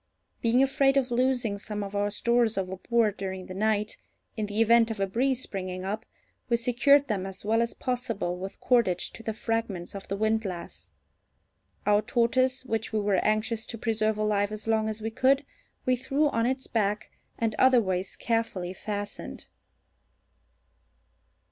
Being afraid of losing some of our stores overboard during the night, in the event of a breeze springing up, we secured them as well as possible with cordage to the fragments of the windlass. Our tortoise, which we were anxious to preserve alive as long as we could, we threw on its back, and otherwise carefully fastened.